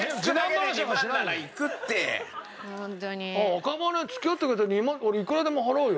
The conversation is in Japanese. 赤羽付き合ってくれたら２万俺いくらでも払うよ。